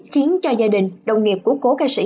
khiến cho gia đình đồng nghiệp của cố ca sĩ